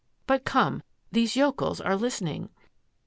But come, these yokels are listening."